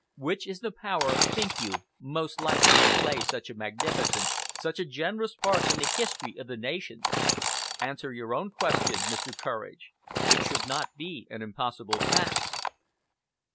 Which is the Power, think you, most likely to play such a magnificent, such a generous part in the history of the nations? Answer your own question, Mr. Courage! It should not be an impossible task."